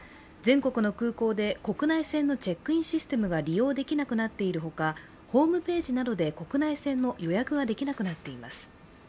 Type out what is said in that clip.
全国の空港で国内線のチェックインシステムが利用できなくなっているほかホームページなどで国内線の予約ができなくなっています。